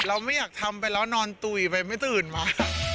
เราไม่อยากทำไปแล้วนอนตุ๋ยไปไม่ตื่นมา